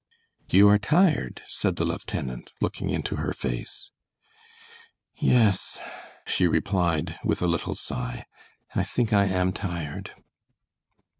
"You are tired," said the lieutenant, looking into her face. "Yes," she replied, with a little sigh, "I think I am tired."